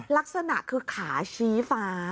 ลักษณะคือขาชี้ฟ้า